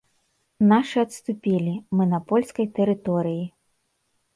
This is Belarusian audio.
Нашы адступілі, мы на польскай тэрыторыі.